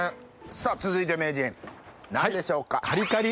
さぁ続いて名人何でしょうか？